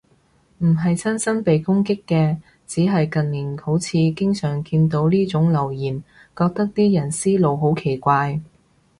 唔係親身被攻擊嘅，只係近年好似經常見到呢種留言，覺得啲人思路好奇怪